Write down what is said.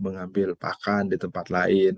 mengambil pakan di tempat lain